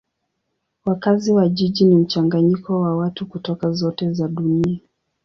Wakazi wa jiji ni mchanganyiko wa watu kutoka zote za dunia.